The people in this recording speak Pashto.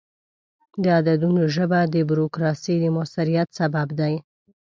د عددونو ژبه د بروکراسي د موثریت سبب ده.